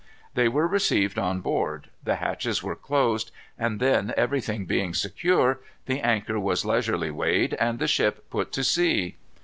They were received on board; the hatches were closed; and then, everything being secure, the anchor was leisurely weighed, and the ship put to sea.